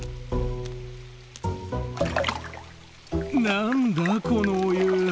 何だこのお湯！